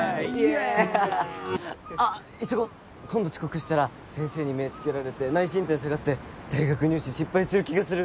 あっ急ごう今度遅刻したら先生に目つけられて内申点下がって大学入試失敗する気がする。